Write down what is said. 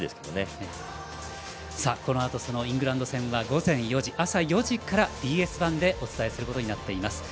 このあとイングランド戦は朝４時からＢＳ１でお伝えすることになっています。